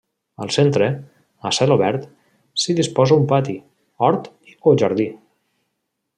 Al centre, a cel obert, s'hi disposa un pati, hort o jardí.